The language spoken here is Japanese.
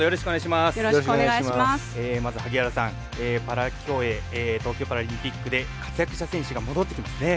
パラ競泳東京パラリンピックで活躍した選手が戻ってきますね。